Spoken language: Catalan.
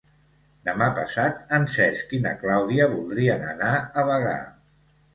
Demà passat en Cesc i na Clàudia voldrien anar a Bagà.